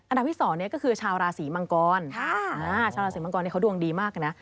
ที่๒ก็คือชาวราศีมังกรชาวราศีมังกรเขาดวงดีมากนะ